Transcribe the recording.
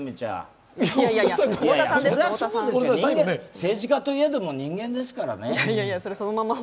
政治家といえども人間ですからね？